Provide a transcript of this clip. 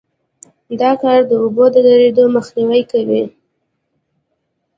دا کار د اوبو د درېدو مخنیوی کوي